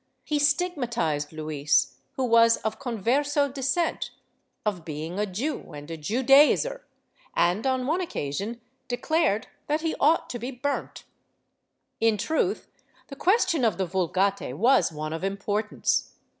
He stigmatized Luis, who was of converso descent, of being a Jew and a Judaizer and, on one occasion, declared that he ought to be burnt. In truth the question of the Vulgate was one of importance.